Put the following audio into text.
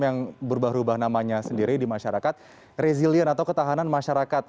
yang berubah ubah namanya sendiri di masyarakat resilient atau ketahanan masyarakat